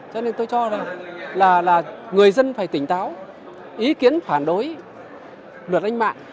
cho nên tôi cho là người dân phải tỉnh táo ý kiến phản đối luật an ninh mạng